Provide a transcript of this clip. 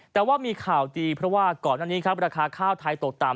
แต่ว่ามีข่าวดีเพราะว่าก่อนอันนี้ครับราคาข้าวไทยตกต่ำ